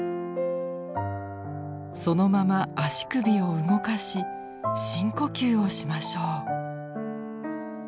そのまま足首を動かし深呼吸をしましょう。